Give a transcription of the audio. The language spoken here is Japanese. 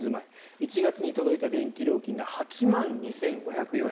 １月に届いた電気料金が８万２５０４円。